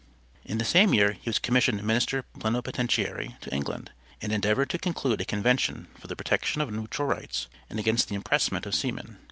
In the same year he was commissioned Minister Plenipotentiary to England, and endeavored to conclude a convention for the protection of neutral rights, and against the impressment of seamen.